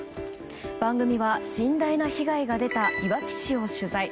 番組は甚大な被害が出たいわき市を取材。